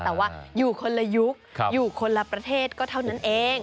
แต่ว่าอยู่คนละยุคอยู่คนละประเทศก็เท่านั้นเอง